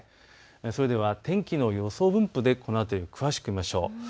それでは天気の予想分布でこの辺りを詳しく見ましょう。